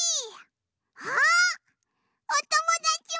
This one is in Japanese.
あっおともだちも。